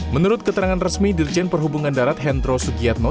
menurut keterangan resmi dirjen perhubungan darat hendro sugiatmo